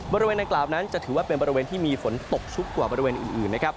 บริเวณดังกล่าวนั้นจะถือว่าเป็นบริเวณที่มีฝนตกชุกกว่าบริเวณอื่นนะครับ